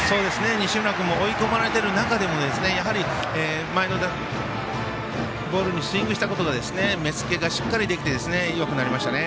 西村君の追い込まれてる中でも、やはり前のボールにスイングしたことが目つけがしっかりできてよくなりましたね。